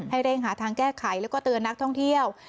เร่งหาทางแก้ไขแล้วก็เตือนนักท่องเที่ยว